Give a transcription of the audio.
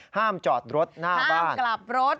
ห้ามจอดรถหน้าบ้านห้ามกลับรถ